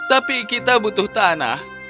tapi kita butuh tanah